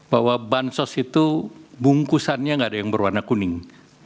bahwa bansos itu bungkusannya nggak ada yang berwarna kuning